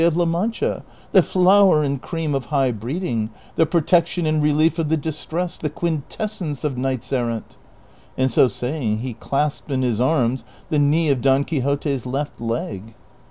of La Mancha, the flower and cream of high breeding, the pro tection and relief of the distressed, the quintessence of knights errant !" And so saying lie clasped in his arms the knee of Don Quixote's left leg.